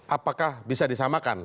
apakah bisa disamakan